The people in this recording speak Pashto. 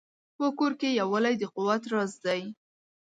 په کور کې یووالی د قوت راز دی.